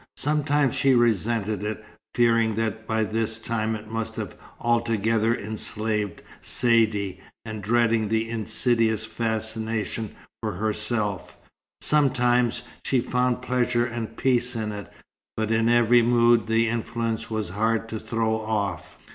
Sometimes she resented it, fearing that by this time it must have altogether enslaved Saidee, and dreading the insidious fascination for herself; sometimes she found pleasure and peace in it; but in every mood the influence was hard to throw off.